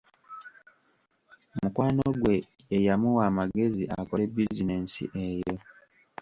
Mukwano ggwe ye yamuwa amagezi akole bizinensi eyo!